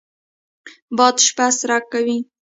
باد شپه سړه کوي